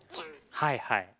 はいはい。